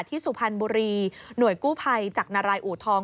ที่สุภัณฑ์บุรีหน่วยกู้ภัยจากนารัยอูรทอง